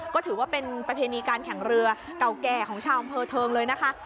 ก็ถือว่าเป็นประเพณีการแข่งเรือเก่าแก่ของชาวอำเภอเทิงเลยนะคะ